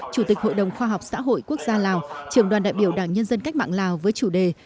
chủ tịch hội đồng khoa học xã hội quốc gia lào trưởng đoàn đại biểu đảng nhân dân cách mạng lào với chủ đề